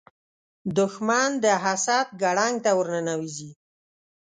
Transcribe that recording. دښمن د حسد ګړنګ ته ورننوځي